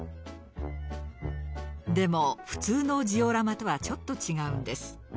でも普通のジオラマとはちょっと違うんです。